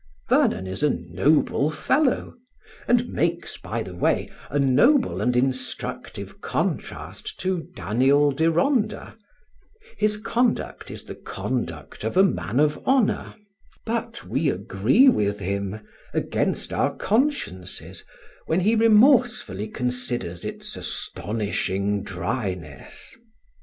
Vernon is a noble fellow, and makes, by the way, a noble and instructive contrast to Daniel Deronda; his conduct is the conduct of a man of honour; but we agree with him, against our consciences, when he remorsefully considers "its astonishing dryness."